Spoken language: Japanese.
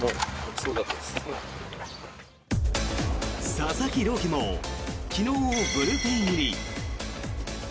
佐々木朗希も昨日、ブルペン入り。